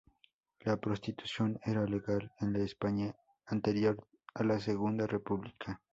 La prostitución era legal en la España anterior a la Segunda República.